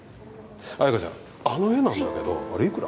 綾香ちゃんあの絵なんだけどあれいくら？